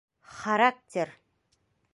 Характер!